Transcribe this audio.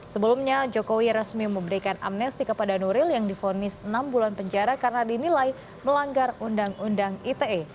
sebelumnya jokowi resmi memberikan amnesti kepada nuril yang difonis enam bulan penjara karena dinilai melanggar undang undang ite